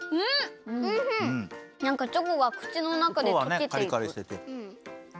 なんかチョコがくちのなかでとけていく。